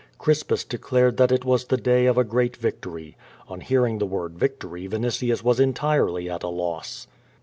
Crispua declared that it was the day of a great victory. On hearing the word victory Vinitius was entirely at a loss.